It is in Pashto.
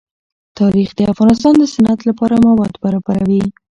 تاریخ د افغانستان د صنعت لپاره مواد برابروي.